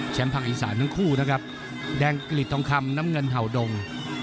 ภาคอีสานทั้งคู่นะครับแดงกลิดทองคำน้ำเงินเห่าดง